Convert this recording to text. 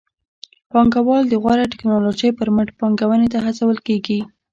پانګوال د غوره ټکنالوژۍ پر مټ پانګونې ته هڅول کېږي.